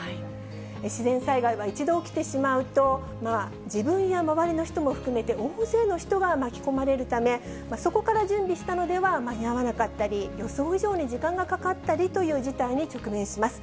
自然災害は一度起きてしまうと、自分や周りの人も含めて大勢の人が巻き込まれるため、そこから準備したのでは間に合わなかったり、予想以上に時間がかかったりという事態に直面します。